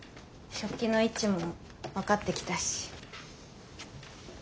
食器の位置も分かってきたし。